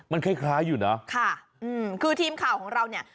มันคล้ายคล้ายอยู่นะค่ะอืมคือทีมข่าวของเราเนี่ย